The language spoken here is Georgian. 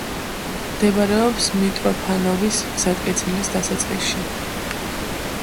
მდებარეობს მიტროფანოვის გზატკეცილის დასაწყისში.